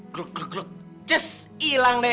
keluk keluk keluk cus hilang nek